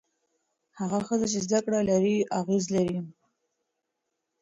هغه ښځه چې زده کړه لري، اغېز لري.